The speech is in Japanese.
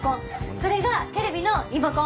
これがテレビのリモコン。